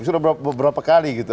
sudah beberapa kali gitu